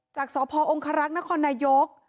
จากสพองครักษ์นครนายก